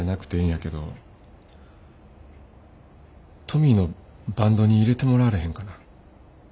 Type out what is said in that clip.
トミーのバンドに入れてもらわれへんかな。